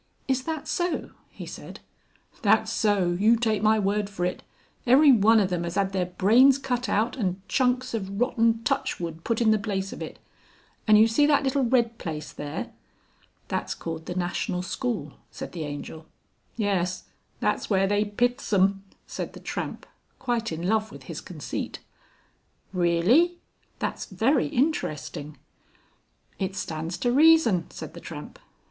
"Is that so?" he said. "That's so you take my word for it. Everyone of them 'as 'ad their brains cut out and chunks of rotten touchwood put in the place of it. And you see that little red place there?" "That's called the national school," said the Angel. "Yes that's where they piths 'em," said the Tramp, quite in love with his conceit. "Really! That's very interesting." "It stands to reason," said the Tramp.